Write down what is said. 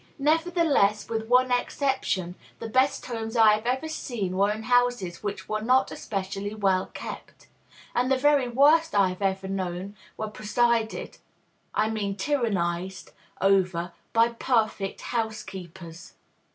Nevertheless, with one exception, the best homes I have ever seen were in houses which were not especially well kept; and the very worst I have ever known were presided (I mean tyrannized) over by "perfect housekeepers."